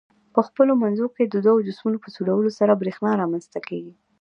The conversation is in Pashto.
په خپلو منځو کې د دوو جسمونو په سولولو سره برېښنا رامنځ ته کیږي.